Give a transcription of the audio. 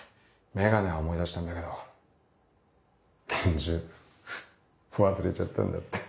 眼鏡は思い出したんだけど拳銃忘れちゃったんだって。